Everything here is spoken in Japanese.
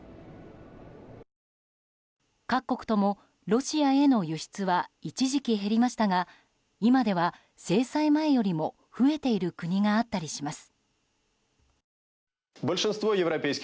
各国とも、ロシアへの輸出は一時期減りましたが今では制裁前よりも増えている国があったりします。